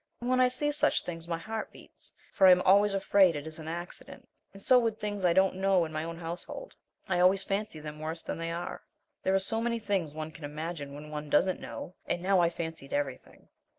When I see such things my heart beats, for I am always afraid it is an accident, and so with the things I don't know in my own household. I always fancy them worse than they are. There are so many things one can imagine when one doesn't KNOW, and now I fancied everything.